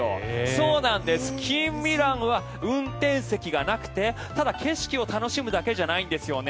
そうなんです、近未来は運転席がなくてただ、景色を楽しむだけじゃないんですよね。